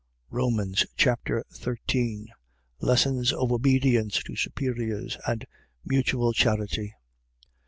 Romans Chapter 13 Lessons of obedience to superiors and mutual charity.